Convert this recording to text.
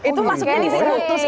itu masuknya di seratus itu